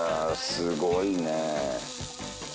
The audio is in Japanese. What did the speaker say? すごいね。